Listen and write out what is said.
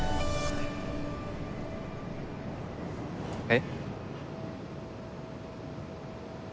えっ？